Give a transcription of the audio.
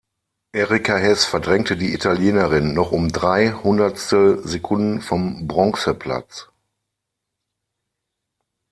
Erika Hess verdrängte die Italienerin noch um drei Hundertstelsekunden vom Bronze-Platz.